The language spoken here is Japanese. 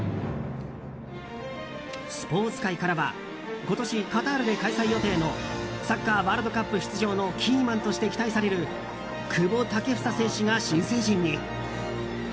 スポーツ界からは今年、カタールで開催予定のサッカーワールドカップ出場のキーマンとして期待される久保建英選手が新成人に。